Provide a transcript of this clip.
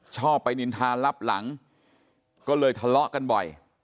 ชอบไปนินทารับหลังก็เลยทะเลาะกันบ่อย